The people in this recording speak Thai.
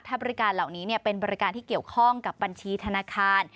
ถ้าบริการเหล่านี้เป็นบริการที่เกี่ยวข้องกับบัญชีธนาคาร